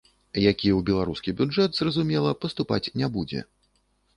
Які ў беларускі бюджэт, зразумела, паступаць не будзе.